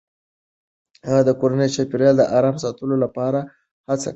هغه د کورني چاپیریال د آرام ساتلو لپاره هڅه کوي.